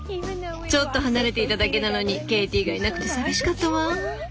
ちょっと離れていただけなのにケイティがいなくて寂しかったわ。